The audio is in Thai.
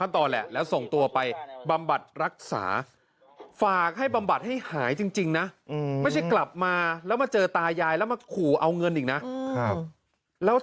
อืมฝากเจ้าย่ายนะ